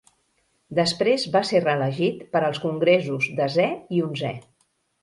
Després va ser reelegit per als Congressos Desè i Onzè.